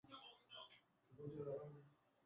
yajulikanao kama vodacom mwanza cycle challenge